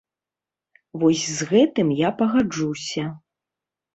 Вось з гэтым я пагаджуся.